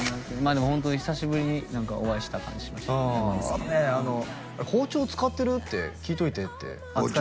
でもホントに久しぶりに何かお会いした感じしましたあとね「包丁使ってる？」って聞いといてって包丁？